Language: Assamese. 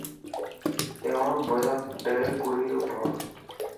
তেওঁৰ বয়স ডেৰ কুৰিৰ ওপৰ।